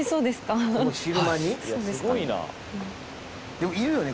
でもいるよね